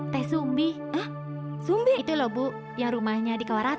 sampai jumpa di video selanjutnya